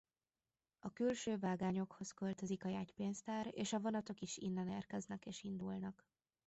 A külső vágányokhoz költözik a jegypénztár és a vonatok is innen érkeznek és indulnak.